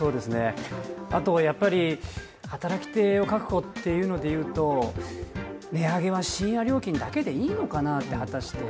あとやっぱり働き手を確保というので言うと、値上げは深夜料金だけでいいのかな、果たして。